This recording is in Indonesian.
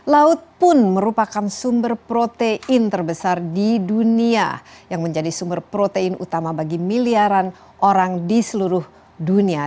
laut pun merupakan sumber protein terbesar di dunia yang menjadi sumber protein utama bagi miliaran orang di seluruh dunia